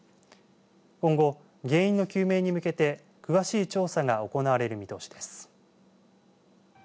今後、原因の究明に向けて詳しい調査が行われる見通しです。